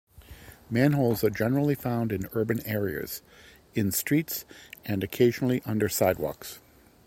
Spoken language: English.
Manholes are generally found in urban areas, in streets and occasionally under sidewalks.